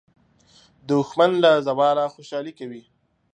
دښمن له زواله خوشالي کوي